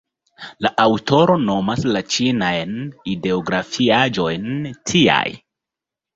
La aŭtoro nomas la ĉinajn ideografiaĵojn tiaj.